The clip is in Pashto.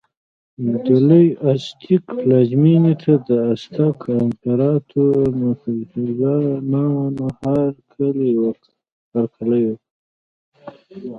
د لوی ازتېک پلازمېنې ته د ازتک امپراتور موکتیزوما هرکلی وکړ.